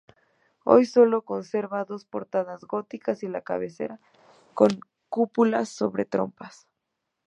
Hoy sólo conserva dos portadas góticas y la cabecera con cúpula sobre trompas.